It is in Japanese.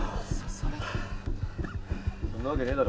そんなわけねぇだろ。